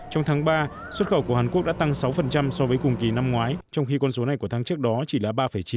trong tháng ba xuất khẩu của hàn quốc đã tăng sáu so với cùng kỳ năm ngoái trong khi con số này của tháng trước đó chỉ là ba chín